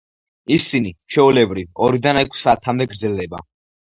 ისინი, ჩვეულებრივ, ორიდან ექვს საათამდე გრძელდება.